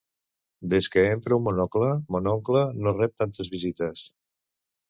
Des que empra un monocle, mon oncle no rep tantes visites.